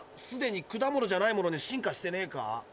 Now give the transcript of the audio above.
すでに果物じゃないものに進化してねえか？